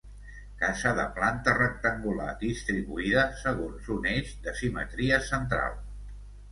Casa de planta rectangular, distribuïda segons un eix de simetria central.